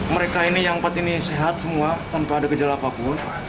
mereka ini yang sehat semua tanpa ada gejala apapun